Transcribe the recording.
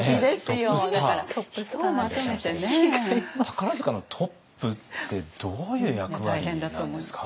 宝塚のトップってどういう役割なんですか？